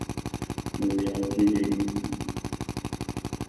نظریات بھی یہی ہوں۔